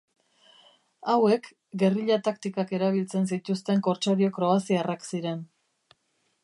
Hauek gerrilla taktikak erabiltzen zituzten kortsario kroaziarrak ziren.